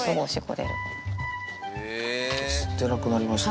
出なくなりました。